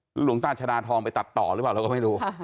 หลวงตาชดาทองไปตัดต่อหรือเปล่าเราก็ไม่รู้